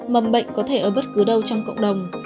mầm bệnh có thể ở bất cứ đâu trong cộng đồng